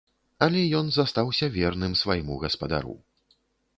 Але ён застаўся верным свайму гаспадару.